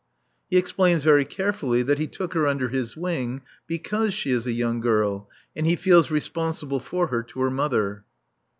He explains very carefully that he took her under his wing because she is a young girl and he feels responsible for her to her mother.